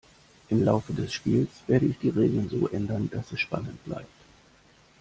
Im Laufe des Spiels werde ich die Regeln so ändern, dass es spannend bleibt.